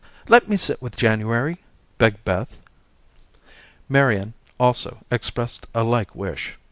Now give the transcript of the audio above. "Let me sit with January," begged Beth. Marian, also, expressed a like wish.